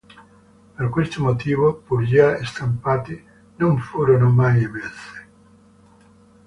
Per questo motivo, pur già stampate, non furono mai emesse.